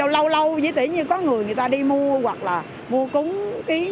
lâu lâu dĩ tỉ như có người người ta đi mua hoặc là mua cúng kiến